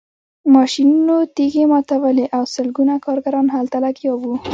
ماشینونو تیږې ماتولې او سلګونه کارګران هلته لګیا وو